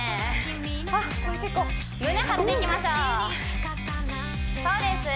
あっこれ結構胸張っていきましょうそうです